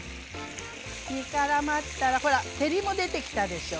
煮からまったらほら照りも出てきたでしょ？